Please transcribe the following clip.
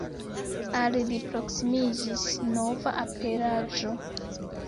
Al li proksimiĝis nova aperaĵo.